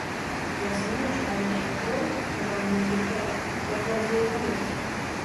Вясною чалавечая кроў, сказаў нейкі паэт, як разліў паводкі.